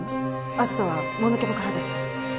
アジトはもぬけの殻です。